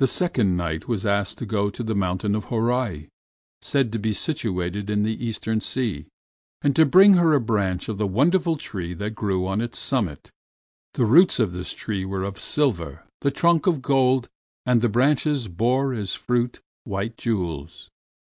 The Second Knight was asked to go to the Mountain of Horai, said to be situated in the Eastern Sea, and to bring her a branch of the wonderful tree that grew on its summit. The roots of this tree were of silver, the trunk of gold, and the branches bore as fruit white jewels.